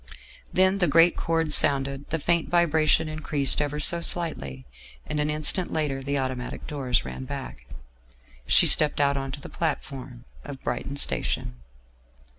Then the great chord sounded; the faint vibration increased ever so slightly; and an instant later the automatic doors ran back, and she stepped out on to the platform of Brighton station.